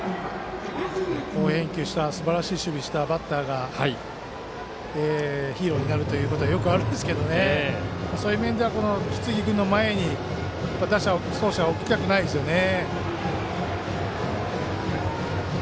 好返球したすばらしい守りをしたバッターがヒーローになるということはよくあるんですけどもそういう面では木次君の前に走者を置きたくないですね。